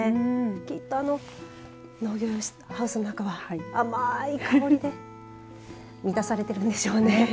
きっと農業用ハウスの中は甘い香りで満たされているんでしょうね。